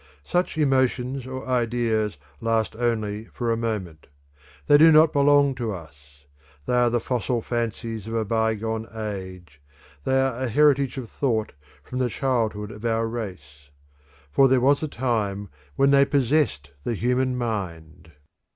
Such emotions or ideas last only for a moment; they do not belong to us; they are the fossil fancies of a bygone age; they are a heritage of thought from the childhood of our race. For there was a time when they possessed the human mind.